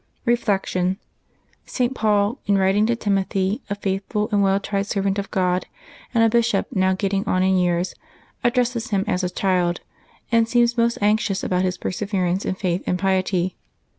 '' Reflection. — St. Paul, in writing to Timothy, a faithful and well tried servant of God, and a bishop now getting on in years, addresses him as a child, and seems most anxious about his perseverance in faith and piety.